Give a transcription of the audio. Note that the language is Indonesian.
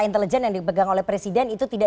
intelijen yang dipegang oleh presiden itu tidak